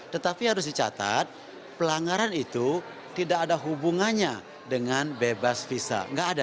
tetapi harus dicatat pelanggaran itu tidak ada hubungannya dengan bebas visa